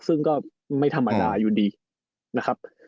ซึ่งก็ไม่ธรรมดาอยู่ดีนะครับ